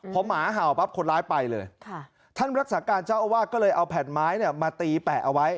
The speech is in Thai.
พอหมาเห่าปั๊บคนร้ายไปเลยท่านรักษาการเจ้าอาวาสก็เลยเอาแผ่นไม้มาตีแปะเอาไว้